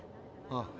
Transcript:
ああ。